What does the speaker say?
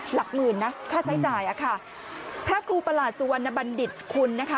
หลักหมื่นนะค่าใช้จ่ายอะค่ะพระครูประหลาดสุวรรณบัณฑิตคุณนะคะ